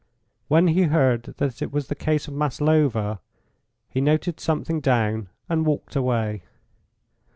When he heard that it was the case of Maslova, he noted something down and walked away.